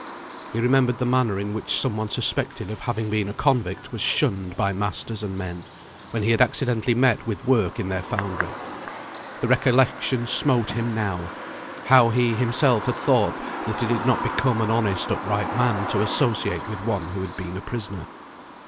He remembered the manner in which some one suspected of having been a convict was shunned by masters and men, when he had accidentally met with work in their foundry; the recollection smote him now, how he himself had thought that it did not become an honest upright man to associate with one who had been a prisoner.